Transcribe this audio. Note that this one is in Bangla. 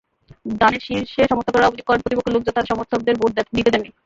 ধানের শীষের সমর্থকেরা অভিযোগ করেন, প্রতিপক্ষের লোকজন তাঁদের সমর্থকদের ভোট দিতে দেননি।